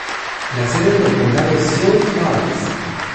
La sede del condado es Sioux Falls.